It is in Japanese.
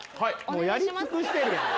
もうやり尽くしてるやん。